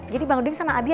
jadi bang odin sama abi